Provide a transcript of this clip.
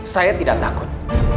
saya tidak takut